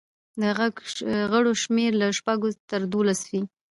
د غړو شمېر له شپږو تر دولسو وي.